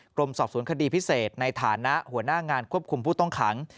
กรมสอบสวนคดีพิเศษในฐานะหัวหน้างานควบคุมผู้ต้องขัง